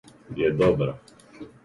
је добра